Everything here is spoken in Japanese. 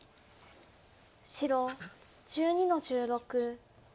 白１２の十六。